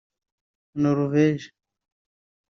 Norvege